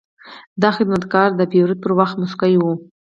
دا خدمتګر د پیرود پر وخت موسکی وي.